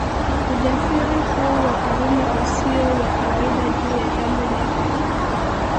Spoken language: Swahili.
Ujasiri huu wa Karume usio wa kawaida juu ya jambo nyeti